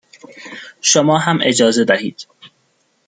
شما هم اجازه دهید